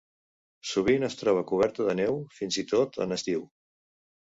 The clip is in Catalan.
Sovint es troba coberta de neu, fins i tot en estiu.